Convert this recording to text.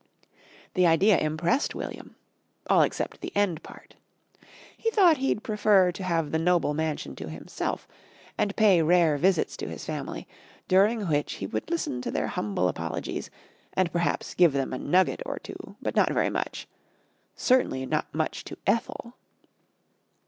The idea impressed William all except the end part. He thought he'd prefer to have the noble mansion himself and pay rare visits to his family, during which he would listen to their humble apologies, and perhaps give them a nugget or two, but not very much certainly not much to Ethel.